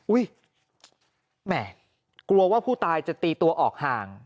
แหม่กลัวว่าผู้ตายจะตีตัวออกห่าง